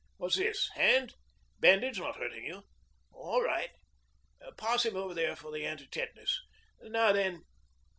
What's this? Hand? Bandage not hurting you? All right. Pass him over there for the anti tetanus. Now, then!